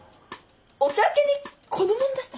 お茶請けにこのもん出したら？